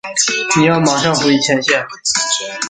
你要马上回前线。